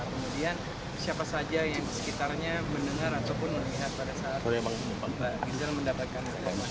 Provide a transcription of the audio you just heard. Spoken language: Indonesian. kemudian siapa saja yang sekitarnya mendengar ataupun melihat pada saat mbak gisela mendapatkan